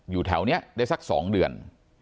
อยู่แถวนี้ได้สัก๒เดือน